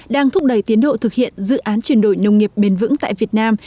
đang thúc đẩy tiến độ thực hiện dự án chuyển đổi nông nghiệp bền vững tại việt nam